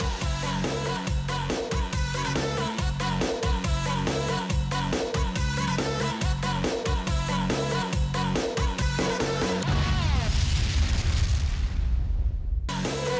โปรดติดตามตอนต่อไป